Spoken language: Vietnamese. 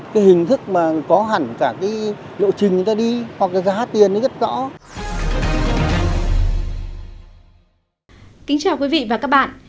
kính chào quý vị và các bạn